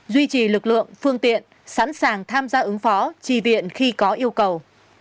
duy trì lực lượng phương tiện sẵn sàng tham gia ứng phó trì viện khi có yêu cầu